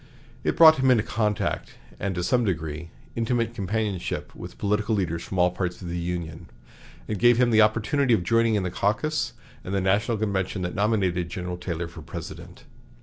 It brought him into contact and, to some degree, intimate companionship with political leaders from all parts of the Union, and gave him the opportunity of joining in the caucus and the national convention that nominated General Taylor for President.